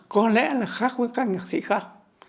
có lẽ là khác với các nhạc sĩ khác